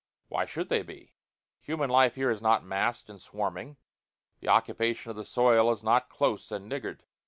Why should they be? Human life here is not massed and swarming. The occupation of the soil is not close and niggard.